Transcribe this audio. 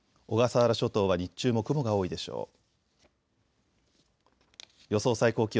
小笠原諸島は日中も雲が多いでしょう。